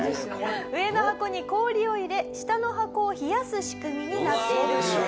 上の箱に氷を入れ下の箱を冷やす仕組みになっているんです。